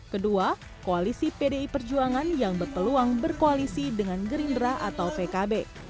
kedua koalisi pdi perjuangan yang berpeluang berkoalisi dengan gerindra atau pkb